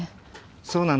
そうなの。